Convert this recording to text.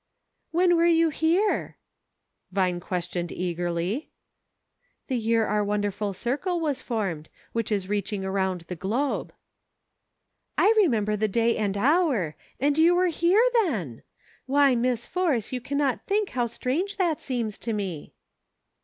"When were you here ?" Vine questioned eag erly. " The year our wonderful circle was formed, which is reaching around the globe." " I remember the day and hour ; and you were here then !" "Why, Miss Force, you cannot think how strange that seems to me."